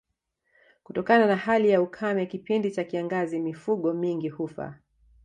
Kutokana na hali ya ukame kipindi cha kiangazi mifugo mingi hufa